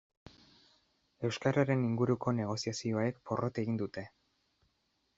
Euskararen inguruko negoziazioek porrot egin dute.